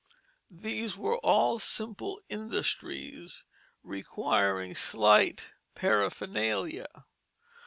These were all simple industries requiring slight paraphernalia.